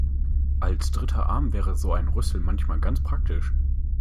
Als dritter Arm wäre so ein Rüssel manchmal ganz praktisch.